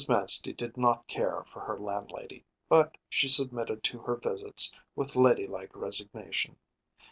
Manstey did not care for her landlady, but she submitted to her visits with ladylike resignation.